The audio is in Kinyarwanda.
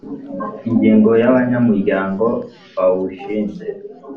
Ingingo ya abanyamuryango bawushinze